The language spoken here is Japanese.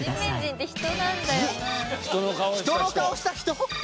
じ人の顔した人？